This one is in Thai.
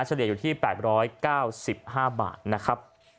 เลี่ยอยู่ที่๘๙๕บาทนะครับ